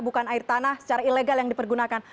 bukan air tanah secara ilegal yang dipergunakan